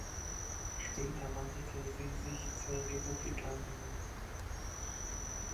Später wandelte sie sich zur Republikanerin.